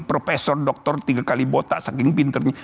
profesor dokter tiga kali botak saking pintar